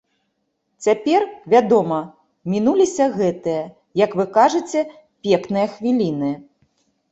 Цяпер, вядома, мінуліся гэтыя, як вы кажаце, пекныя хвіліны.